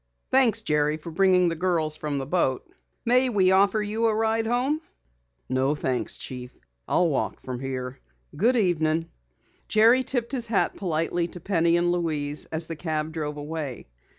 Thanks, Jerry, for bringing the girls from the boat. May we offer you a ride home?" "No, thanks, Chief. I'll walk from here. Good evening." Jerry tipped his hat politely to Penny and Louise as the cab drove away.